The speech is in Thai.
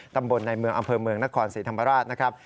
ตำบลในเมืองอำเภอเมืองนครศรีธรรมราชนะครับ